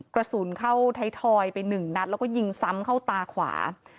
กระสุนเข้าไทยทอยไปหนึ่งนัดแล้วก็ยิงซ้ำเข้าตาขวา